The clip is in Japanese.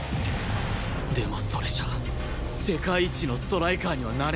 でもそれじゃ世界一のストライカーにはなれない